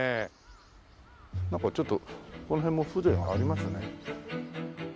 なんかちょっとこの辺も風情がありますね。